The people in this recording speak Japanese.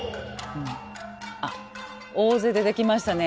大勢出てきましたね。